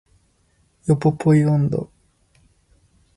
ヨポポイ音頭